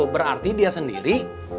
berarti dia sendiri tiga puluh lima